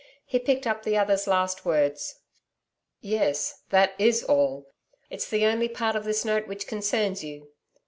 He picked up the other's last words. 'Yes, that IS all. It's the only part of this note which concerns you.